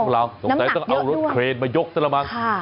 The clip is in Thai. เราสงสัยต้องเอารถเครนมายกซะละมั้ง